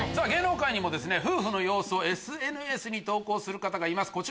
芸能界にも夫婦の様子をＳＮＳに投稿する方がいます